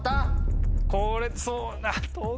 これそう。